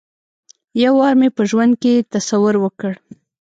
یو وار مې په ژوند کې تصور وکړ.